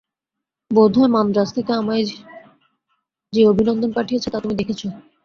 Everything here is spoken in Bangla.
বোধ হয় মান্দ্রাজ থেকে আমায় যে অভিনন্দন পাঠিয়েছে, তা তুমি দেখেছ।